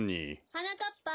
はなかっぱ。